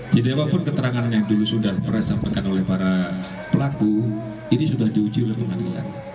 jadi apapun keterangan yang dulu sudah disampaikan oleh para pelaku ini sudah diuji oleh pengadilan